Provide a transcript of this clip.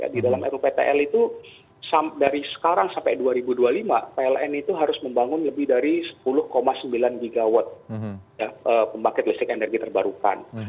di dalam ruptl itu dari sekarang sampai dua ribu dua puluh lima pln itu harus membangun lebih dari sepuluh sembilan gigawatt pembangkit listrik energi terbarukan